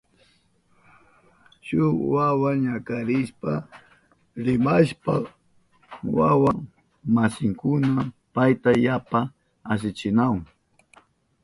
Shuk wawa ñakarishpa rimashpan wawa masinkuna payta yapa asichinahun.